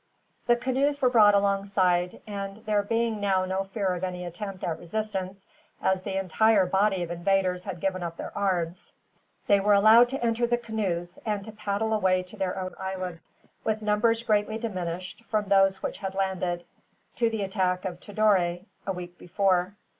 The canoes were brought alongside and, there being now no fear of any attempt at resistance, as the entire body of invaders had given up their arms, they were allowed to enter the canoes, and to paddle away to their own island; with numbers greatly diminished from those which had landed, to the attack of Tidore, a week before.